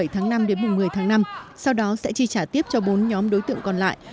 tháng năm đến mùng một mươi tháng năm sau đó sẽ chi trả tiếp cho bốn nhóm đối tượng còn lại